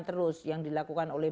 terus yang dilakukan oleh